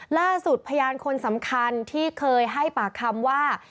พยานคนสำคัญที่เคยให้ปากคำว่า